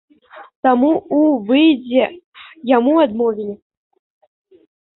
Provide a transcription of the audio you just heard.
Таму ў выездзе яму адмовілі.